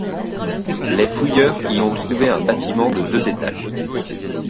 Les fouilleurs y ont trouvé un bâtiment de deux étages.